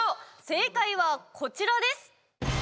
正解はこちらです。